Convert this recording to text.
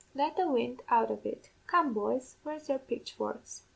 Let the wind out of it. Come, boys, where's your pitchforks?'